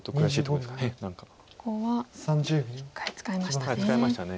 ここは１回使いましたね。